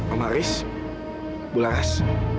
om haris bularas